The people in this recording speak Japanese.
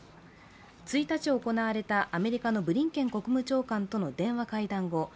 １日、行われたアメリカのブリンケン国務長官との電話会談後